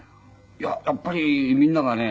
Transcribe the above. いややっぱりみんながね